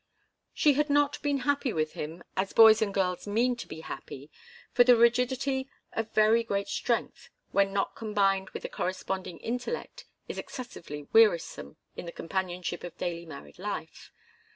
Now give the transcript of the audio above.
She had not been happy with him, as boys and girls mean to be happy for the rigidity of very great strength, when not combined with a corresponding intellect, is excessively wearisome in the companionship of daily married life.